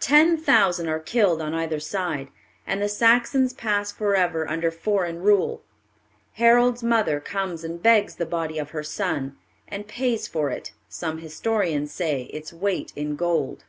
Ten thousand are killed on either side, and the Saxons pass forever under foreign rule. Harold's mother comes and begs the body of her son, and pays for it, some historians say, its weight in gold.